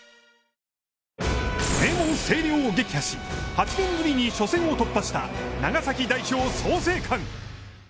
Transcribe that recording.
名門星稜を撃破し８年ぶりに初戦を突破した長崎代表・創成館。